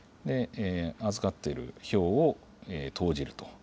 預かっている票を投じると。